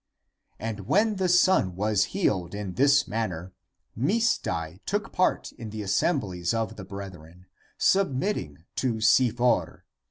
And when the son was healed in this manner, he (Misdai) took part in the assem blies of the brethren, submitting to Si for.